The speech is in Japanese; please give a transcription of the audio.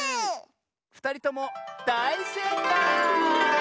ふたりともだいせいかい！